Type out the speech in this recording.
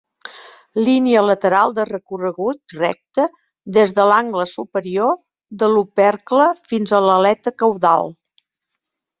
Línia lateral de recorregut recte des de l'angle superior de l'opercle fins a l'aleta caudal.